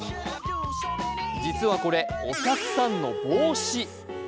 実はこれ、お客さんの帽子。